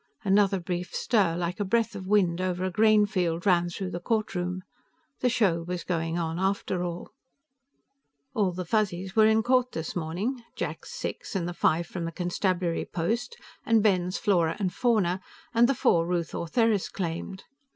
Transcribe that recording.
Another brief stir, like a breath of wind over a grain field, ran through the courtroom. The show was going on after all. All the Fuzzies were in court this morning; Jack's six, and the five from the constabulary post, and Ben's Flora and Fauna, and the four Ruth Ortheris claimed.